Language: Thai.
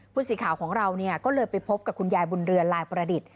ผู้สื่อข่าวของเราก็เลยไปพบกับคุณยายบุญเรือนลายประดิษฐ์